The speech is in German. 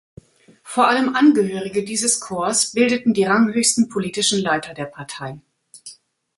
Vor allem Angehörige dieses Korps bildeten die ranghöchsten Politischen Leiter der Partei.